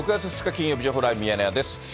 金曜日、情報ライブミヤネ屋です。